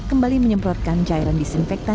kembali menyemprotkan cairan disinfektan